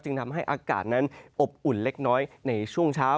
ทำให้อากาศนั้นอบอุ่นเล็กน้อยในช่วงเช้า